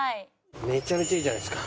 めちゃめちゃいいじゃないですか。